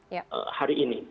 tapi kita itu problem hari ini